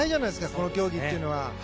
この競技というのは。